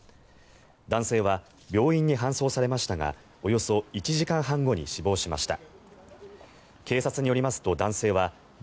男性は病院に搬送されましたがおよそ１時間半後に死亡しました。